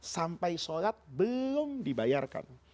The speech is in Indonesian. sampai sholat belum dibayarkan